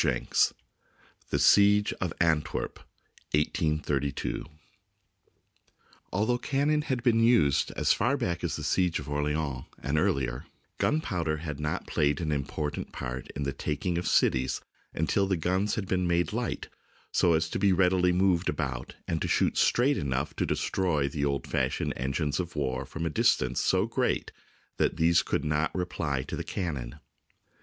THE SIEGE OF ANTWERP, 1832 A LTHOUGH cannon had been used as far /\ back as the siege of Orleans, and earlier, *^ gunpowder had not played an important part in the taking of cities until the guns had been made light, so as to be readily moved about and to shoot straight enough to destroy the old fashioned engines of war from a distance so great that these could not reply to the cannon.